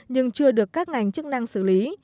nhưng chưa được các ngành chức năng xử lý